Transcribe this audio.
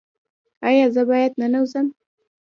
ایا زه باید ننوځم؟